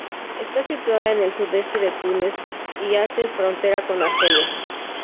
Está situada en el sudeste de Túnez, y hace frontera con Argelia.